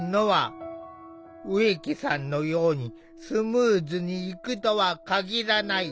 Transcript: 「植木さんのようにスムーズにいくとは限らない」。